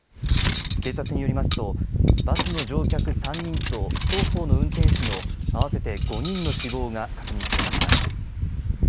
警察によりますとバスの乗客３人と双方の運転手の合わせて５人の死亡が確認されました。